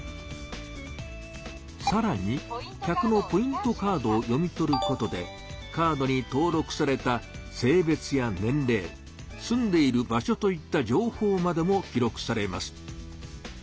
さらに客のポイントカードを読み取ることでカードに登録された性別や年れい住んでいる場所といった情報までも記録されます。